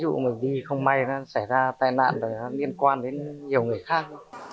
ví dụ mình đi không may nó xảy ra tai nạn liên quan đến nhiều người khác